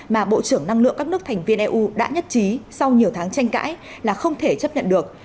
mà bộ trưởng năng lượng các nước thành viên eu đã nhất trí sau nhiều tháng tranh cãi là không thể chấp nhận được